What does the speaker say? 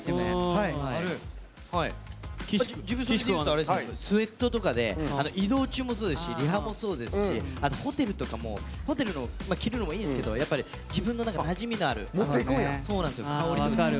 自分、スエットとかで移動中もそうですしリハもそうですしホテルとかも、ホテルの着るのもいいんですけどやっぱり自分のなじみのある香りもある。